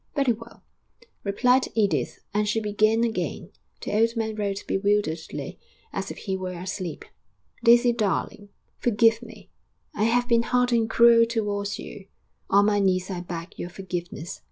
'Very well,' replied Edith, and she began again; the old man wrote bewilderedly, as if he were asleep. 'DAISY DARLING, ... Forgive me!... I have been hard and cruel towards you.... On my knees I beg your forgiveness....